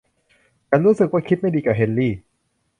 ฉันรู้สึกว่าคิดไม่ดีกับเฮนรี่